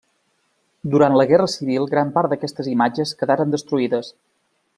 Durant la Guerra Civil gran part d'aquestes imatges quedaren destruïdes.